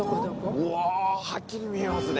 うわー、はっきり見えますね。